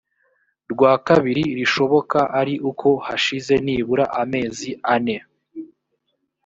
rwa kabiri rishoboka ari uko hashize nibura amezi ane